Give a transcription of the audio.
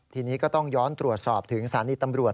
ทีนี้ก็ต้องย้อนตรวจสอบถึงสถานีตำรวจ